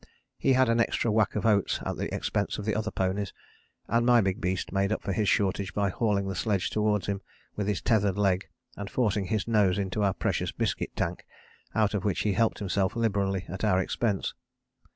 He had an extra whack of oats at the expense of the other ponies, and my big beast made up for his shortage by hauling the sledge towards him with his tethered leg, and forcing his nose into our precious biscuit tank, out of which he helped himself liberally at our expense.